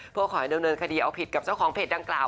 เพื่อขอให้ดำเนินคดีเอาผิดกับเจ้าของเพจดังกล่าว